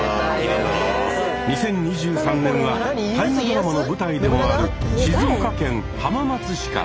２０２３年は大河ドラマの舞台でもある静岡県浜松市から。